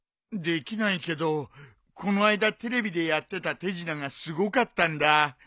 できないけどこの間テレビでやってた手品がすごかったんだ。